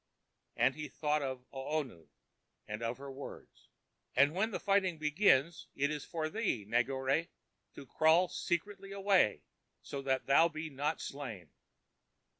And he thought of Oona, and of her words: "And when the fighting begins, it is for thee, Negore, to crawl secretly away so that thou be not slain."